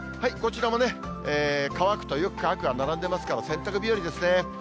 こちらもね、乾くとよく乾くが並んでますから、洗濯日和ですね。